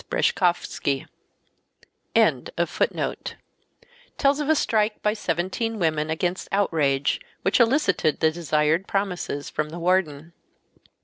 Breshkovsky tells of a strike by 17 women against outrage, which elicited the desired promises from the warden.